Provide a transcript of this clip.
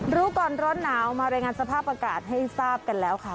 รู้ก่อนร้อนหนาวมารายงานสภาพอากาศให้ทราบกันแล้วค่ะ